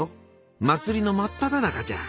祭りの真っただ中じゃ！